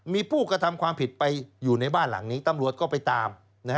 มีผู้กระทำความผิดไปอยู่ในบ้านหลังนี้ตำรวจก็ไปตาม